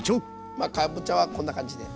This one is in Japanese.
かぼちゃはこんな感じで。